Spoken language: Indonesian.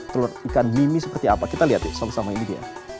telur ikan mimi seperti apa kita lihat yuk sama sama ini dia